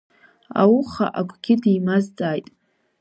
Ауха акгьы димазҵааит.